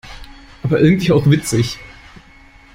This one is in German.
Aber irgendwie auch witzig.